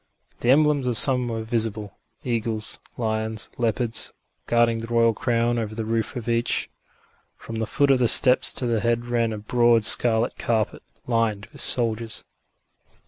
The emblems of some were visible eagles, lions, leopards guarding the royal crown above the roof of each. From the foot of the steps to the head ran a broad scarlet carpet, lined with soldiers.